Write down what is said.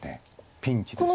ピンチです。